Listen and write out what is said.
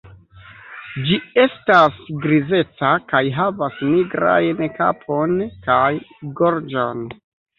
Ĝi estas grizeca kaj havas nigrajn kapon kaj gorĝon.